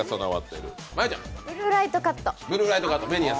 ブルーライトカット。